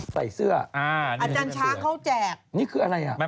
ใส่เสื้อ